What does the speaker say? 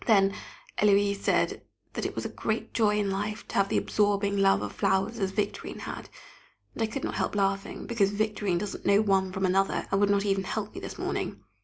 Then Héloise said that it was a great joy in life to have the absorbing love of flowers as Victorine had! and I could not help laughing, because Victorine doesn't know one from another, and would not even help me this morning.